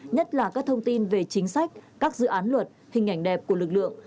nhất là các thông tin về chính sách các dự án luật hình ảnh đẹp của lực lượng